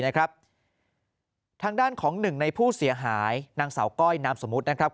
ทางด้านของหนึ่งในผู้เสียหายนางสาวก้อยนามสมมุตินะครับ